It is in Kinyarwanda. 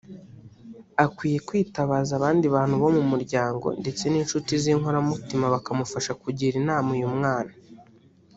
Akwiye kwitabaza abandi bantu bo mu muryango ndetse n’inshuti z’inkoramutima bakamufasha kugira inama uyu mwana